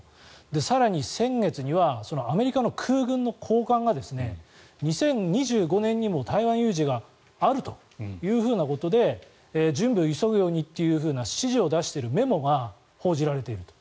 更に、先月にはアメリカの空軍の高官が２０２５年にも台湾有事があるということで準備を急ぐようにというふうな指示を出しているメモが報じられていると。